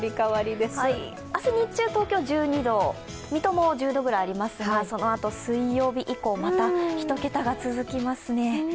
明日日中、東京は１２度、水戸も１２度ぐらいありますが、そのあと水曜日以降、１桁が続きますね。